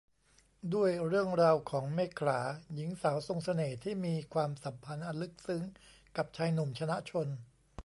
ด้วยเรื่องราวของ เมขลา หญิงสาวทรงเสน่ห์ที่มีความสัมพันธ์อันลึกซึ้งกับชายหนุ่ม ชนะชล